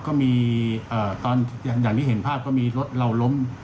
ก็มีตอนอย่างที่เห็นภาพก็มีรถเราล้ม